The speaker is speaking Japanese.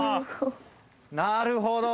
なるほど。